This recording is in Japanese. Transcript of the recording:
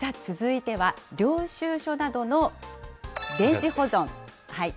さあ、続いては領収書などの電子保存。